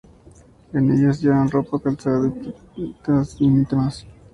En ellas llevan ropa, calzado y prendas íntimas.